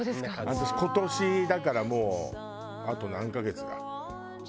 私今年だからもうあと何カ月か。